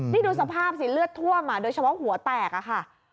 นี่ดูสภาพสิเลือดท่วมโดยเฉพาะหัวแตกอะค่ะ